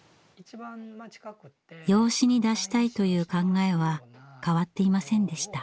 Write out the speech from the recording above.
養子に出したいという考えは変わっていませんでした。